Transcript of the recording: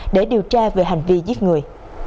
để điều tra về hành vi giết người